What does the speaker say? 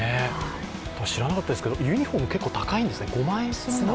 知らなかったですけど、ユニフォーム結構高いんですね。